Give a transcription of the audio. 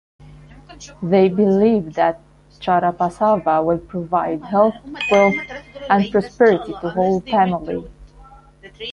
They believe that Charabasava will provide health, wealth and prosperity to whole family.